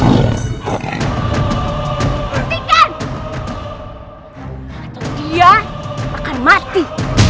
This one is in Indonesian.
atau dia akan mati